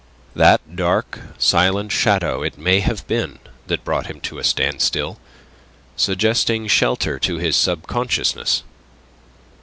That dark, silent shadow it may have been that had brought him to a standstill, suggesting shelter to his subconsciousness.